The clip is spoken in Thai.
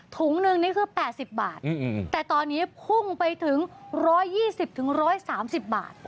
ถุงนึงนี่คือ๘๐บาทแต่ตอนนี้พุ่งไปถึง๑๒๐๑๓๐บาท